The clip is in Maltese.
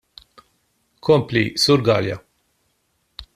Kompli, Sur Galea.